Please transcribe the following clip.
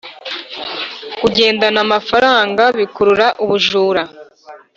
kugendana amafaranga bikurura ubujura